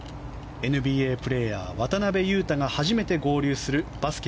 ＮＢＡプレーヤー渡邊雄太が初めて合流するバスケ